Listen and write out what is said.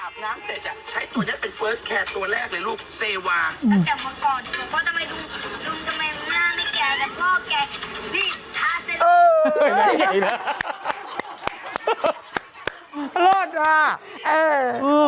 พ่อแกพี่พาเสนอ